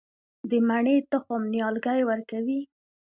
د مڼې تخم نیالګی ورکوي؟